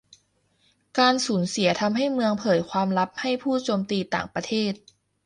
การสูญเสียทำให้เมืองเผยความลับให้ผู้โจมตีต่างประเทศ